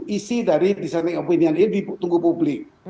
isi dari dissenting opinion ini ditunggu publik